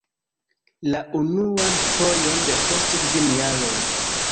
La unuan fojon depost kvin jaroj!